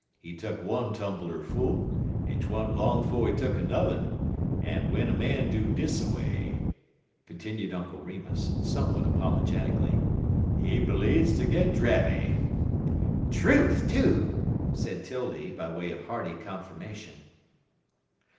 He tuck one tumbeler full, en 't wa'n't long 'fo' he tuck 'n'er'n, en w'en a man do dis a way," continued Uncle Remus, somewhat apologetically, "he bleedz ter git drammy." "Truth, too!" said 'Tildy, by way of hearty confirmation.